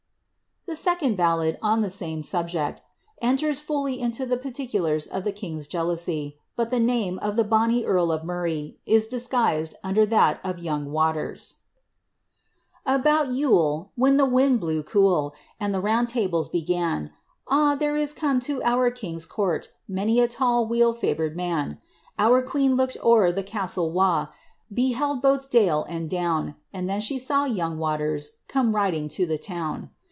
A second ballad, on the same subject, enters fully into the particulars of the king's jealousy, but the name of ^ the bonny earl of Murray " is disguised under that of ^ young Waters :" *Abont Yule, when the wind blew cule, ' O tell me who is the fairest lord And the round tables began, A! there is come to our king's court Many a tall weel &your*d man. Our queen looked o'er the castle wa*, Beheld both dale and down, And then she saw * yoang Waters* Coroe riding to the town.